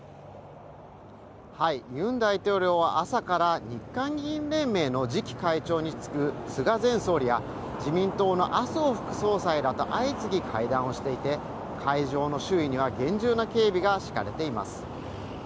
ユン大統領は朝から日韓議員連盟の次期会長に就く菅前総理や自民党の麻生副総裁らと相次ぎ会談をしていて、会場の周囲には厳重な警備が敷かれています。